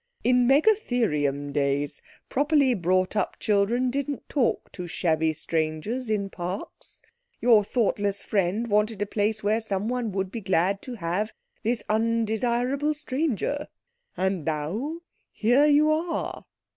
In Megatherium days properly brought up children didn't talk to shabby strangers in parks. Your thoughtless friend wanted a place where someone would be glad to have this undesirable stranger. And now here you are!"